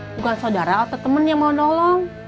bukan saudara atau teman yang mau nolong